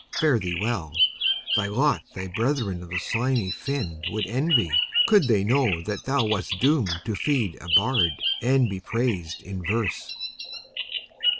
Fare thee well! Thy lot thy brethern of the slimy fin Would envy, could they know that thou wast doom'd To feed a bard, and to be prais'd in verse.